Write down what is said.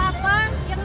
yang penting selamat